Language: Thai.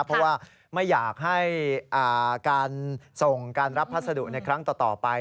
เพราะว่าไม่อยากให้การส่งการรับพัสดุในครั้งต่อไป